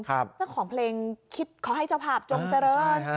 และของเพลงขอให้เจ้าผาบจงเจริญ